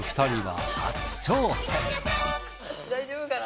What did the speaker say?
大丈夫かな。